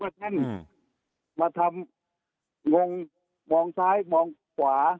ว่าท่านมาทำองค์มองซ้ายมองขวา